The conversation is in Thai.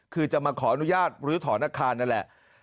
คือจะมาขออนุญาตลื้อถอนอาคารนั่นแหละ